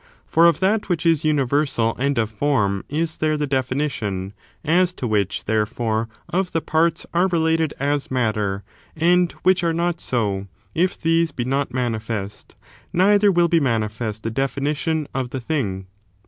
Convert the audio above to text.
For of that which is universal and of form is there the definition ; as to which, therefore, of the parts are related as matter, and which are not so, if these be not manifest, neither will be manifest the definition of the thing.